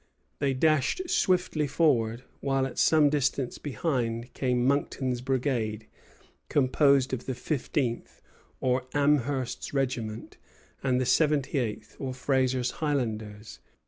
They dashed swiftly forward; while at some distance behind came Monckton's brigade, composed of the fifteenth, or Amherst's regiment, and the seventy eighth, or Fraser's Highlanders.